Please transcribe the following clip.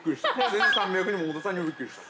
１３００にも小田さんにもびっくりした。